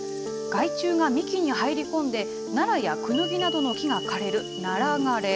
害虫が幹に入り込んで、ナラやクヌギなどの木が枯れる、ナラ枯れ。